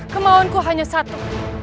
kemauanku hanya satu